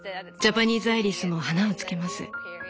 ジャパニーズアイリスも花をつけます。